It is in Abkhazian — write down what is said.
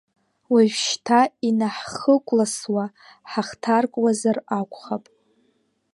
Уажәшьҭа инаҳхыкәласуа ҳахҭаркуазар акәхап…